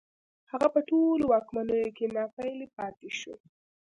هغه په ټولو واکمنیو کې ناپېیلی پاتې شو